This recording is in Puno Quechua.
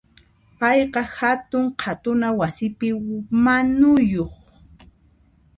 Payqa hatun qhatuna wasipi manuyuq.